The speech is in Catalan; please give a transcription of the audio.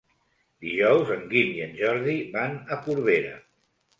Dijous en Guim i en Jordi van a Corbera.